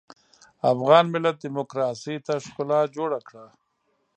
افغان ملت ډيموکراسۍ ته ښکلا جوړه کړه.